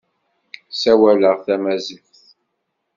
Ssawaleɣ tamaziɣt.